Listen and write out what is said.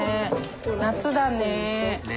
夏だね。ね。